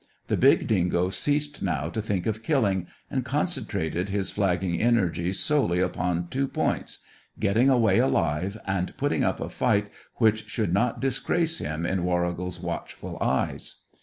The big dingo ceased now to think of killing, and concentrated his flagging energies solely upon two points getting away alive and putting up a fight which should not disgrace him in Warrigal's watchful eyes.